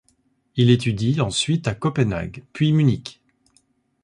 Il étudie ensuite à Copenhague, puis Munich.